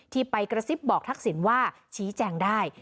ที่ไปกระซิบบอกทักษิณว่าชี้แจงได้